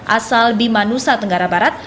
asal bimanusa tenggara barat